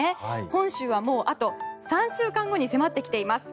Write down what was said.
本州はもうあと３週間後に迫ってきています。